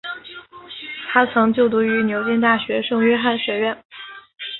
他曾就读于牛津大学圣约翰学院。